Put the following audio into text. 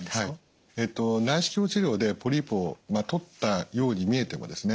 はい内視鏡治療でポリープを取ったように見えてもですね